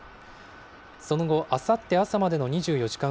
その後、あさって朝までの２４時間